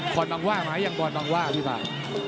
คอนบำว่ากมาแล้วยังบอนบำว่ากครับพี่ฟาน